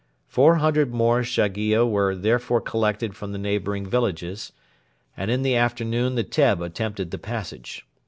Four hundred more Shaiggia were therefore collected from the neighbouring villages, and in the afternoon the Teb attempted the passage.